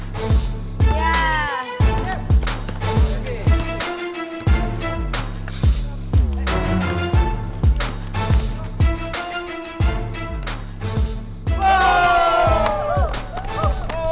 soalnya kebetulan aku mau jalan jalan sama temen temen aku